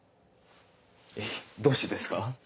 どうしてですか？